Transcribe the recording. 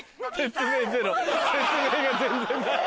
説明が全然ない。